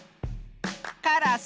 カラス。